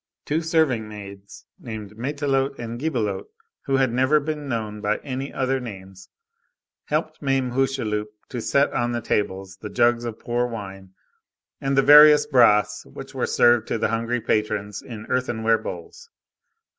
Two serving maids, named Matelote and Gibelotte,49 and who had never been known by any other names, helped Mame Hucheloup to set on the tables the jugs of poor wine, and the various broths which were served to the hungry patrons in earthenware bowls.